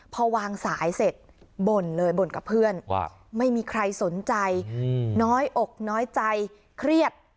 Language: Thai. พอวางสายเสร็จบ่นเลยบ่นกับเพื่อนว่าไม่มีใครสนใจน้อยอกน้อยใจเครียด